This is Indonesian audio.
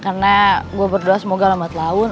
karena gue berdoa semoga lambat laun